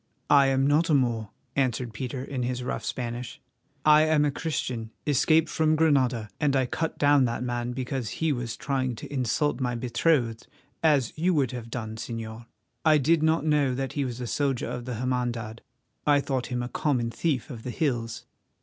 "I am not a Moor," answered Peter in his rough Spanish. "I am a Christian escaped from Granada, and I cut down that man because he was trying to insult my betrothed, as you would have done, Señor. I did not know that he was a soldier of the Hermandad; I thought him a common thief of the hills."